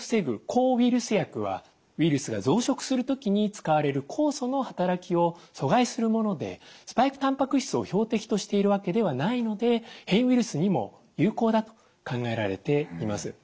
抗ウイルス薬はウイルスが増殖する時に使われる酵素の働きを阻害するものでスパイクたんぱく質を標的としているわけではないので変異ウイルスにも有効だと考えられています。